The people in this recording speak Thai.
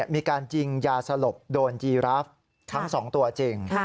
มีการจริงยาสลบโดนยีราฟทั้ง๒ตัวจริง